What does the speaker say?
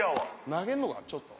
投げんのがちょっと。